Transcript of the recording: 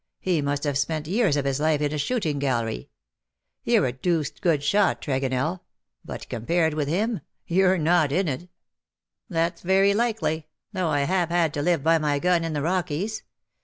He must have spent years of his life in a shooting gallery. You're a dooced good shot^ Tregonell; but^ compared with him, you're not in it." '^ That's very likely, though I have had to live by my gun in the Rockies.